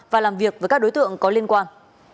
và làm việc với các đối tượng có liên quan